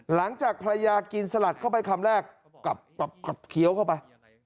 หลังจากภรรยากินสลัดเข้าไปคำแรกกลับเคี้ยวเข้าไป